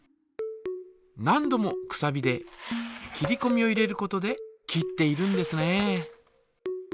何度もくさびで切りこみを入れることで切っているんですね。